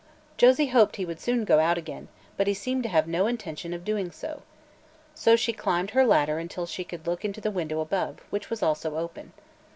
Josie hoped he would soon go out again, but he seemed to have no intention of doing so. So she climbed her ladder until she could look into the window above, which was also open.